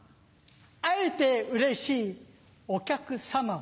会えてうれしいお客サマ。